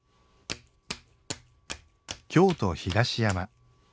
京都東山。